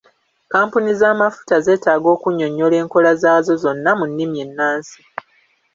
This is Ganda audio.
Kampuni z'amafuta zetaaga okunyonyola enkola zaazo zonna mu nnimi ennansi.